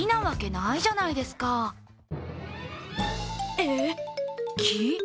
えっ、木？